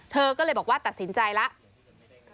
เธอก็เลยบอกว่าตัดสินใจแล้ว